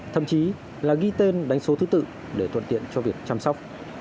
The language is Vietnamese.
thậm chí là ghi tên đánh số thứ tự để thuận tiện cho việc chăm sóc